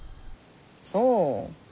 そう。